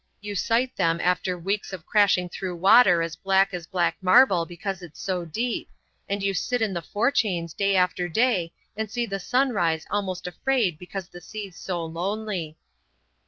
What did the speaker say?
You sight them after weeks of crashing through water as black as black marble because it's so deep, and you sit in the fore chains day after day and see the sun rise almost afraid because the sea's so lonely."